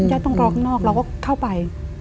ต้องรอข้างนอกเราก็เข้าไป